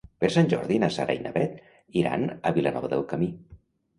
Per Sant Jordi na Sara i na Bet iran a Vilanova del Camí.